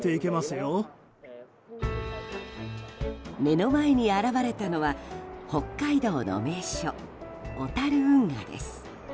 目の前に現れたのは北海道の名所・小樽運河です。